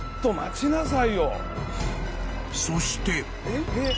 ［そして］